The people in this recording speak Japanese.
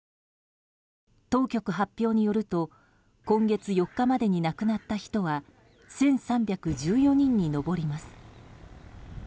当局発表によると今月４日までに亡くなった人は１３１４人に上ります。